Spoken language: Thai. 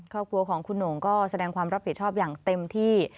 ครอบครัวของคุณหน่งก็แสดงความรับผิดชอบอย่างเต็มที่